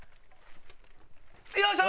よいしょ！